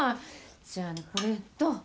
じゃあこれとこれ。